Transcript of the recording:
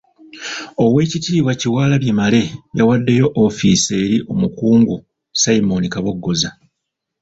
Oweekitiibwa Kyewalabye Male yawaddeyo ofiisi eri Omukungu Simon Kaboggoza.